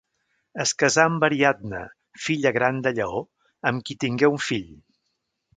Es casà amb Ariadna, filla gran de Lleó, amb qui tingué un fill.